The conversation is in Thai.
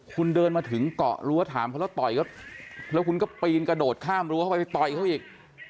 คุณเดินมาถึงเกาะรั้วถามเขาแล้วต่อยเขาแล้วคุณก็ปีนกระโดดข้ามรั้วเข้าไปไปต่อยเขาอีก